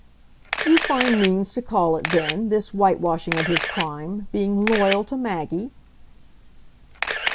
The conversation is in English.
"You find means to call it then, this whitewashing of his crime, being 'loyal' to Maggie?"